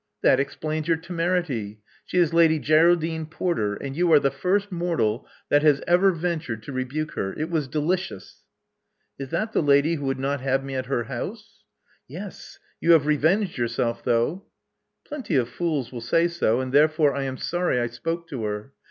That explains your temerity. She is Lady Geraldine Porter; and you are the first mortal that ever ventured to rebuke her. It was delicious.*^ Is that the lady who would not have me at her house?" Yes. You have revenged yourself, though." Plenty of fools will say so; and therefore I am sorry I spoke to her.